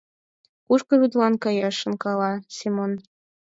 — Кушко вӱдлан каяш? — шонкала Семон.